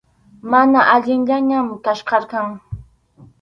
Mana allinllañam kachkarqan.